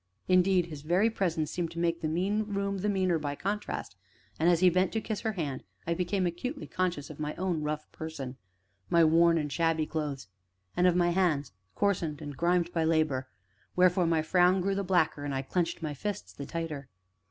Indeed, his very presence seemed to make the mean room the meaner by contrast, and, as he bent to kiss her hand, I became acutely conscious of my own rough person, my worn and shabby clothes, and of my hands, coarsened and grimed by labor; wherefore my frown grew the blacker and I clenched my fists the tighter.